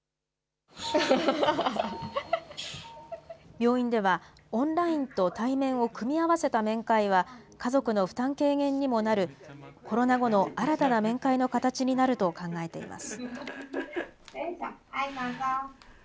病院では、オンラインと対面を組み合わせた面会は、家族の負担軽減にもなる、コロナ後の新たな面会の形になると考えています。